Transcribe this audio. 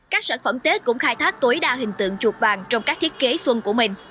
các sản phẩm tết cũng khai thác tối đa hình tượng chuột bàn trong các thiết kế xuân của mình